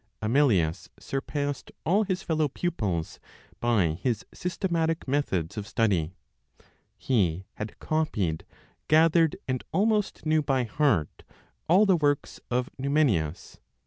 Amelius surpassed all his fellow pupils by his systematic methods of study. He had copied, gathered, and almost knew by heart all the works of Numenius.